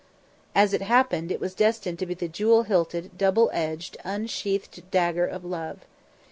As it happened, it was destined to be the jewel hilted, double edged, unsheathed dagger of love.